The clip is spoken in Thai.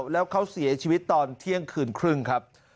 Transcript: แล้วเขาเสียชีวิตตอนเที่ยงคืนครึ่งครับ